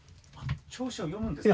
町史を読むんですか？